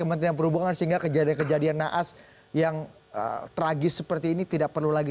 kementerian perhubungan sehingga kejadian kejadian naas yang tragis seperti ini tidak perlu lagi